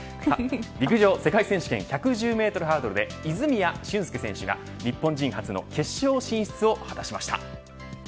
陸上世界選手権１１０メートルハードルで泉谷駿介選手が、日本勢初の決勝進出を果たしました。